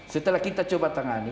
setelah kita coba tangani